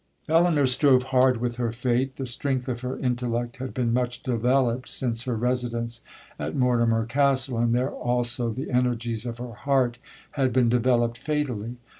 'Elinor strove hard with her fate,—the strength of her intellect had been much developed since her residence at Mortimer Castle, and there also the energies of her heart had been developed fatally.